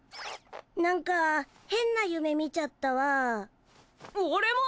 なんか変な夢見ちゃったわ俺も！